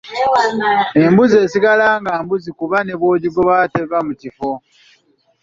Embuzi esigala nga mbuzi kuba ne bw'ogigoba teva mu kifo.